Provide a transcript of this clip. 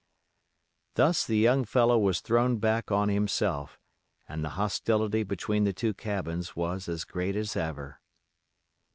Thus the young fellow was thrown back on himself, and the hostility between the two cabins was as great as ever.